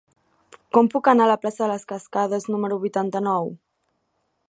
Com puc anar a la plaça de les Cascades número vuitanta-nou?